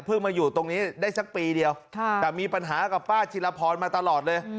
มาอยู่ตรงนี้ได้สักปีเดียวแต่มีปัญหากับป้าจิลพรมาตลอดเลย